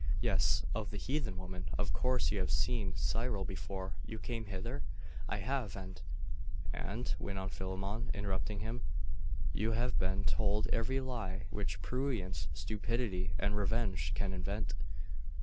'Yes, of the heathen woman. Of course you have seen Cyril before you came hither?' 'I have, and ' 'And,' went on Philammon, interrupting him, 'you have been told every lie which prurience, stupidity, and revenge can invent.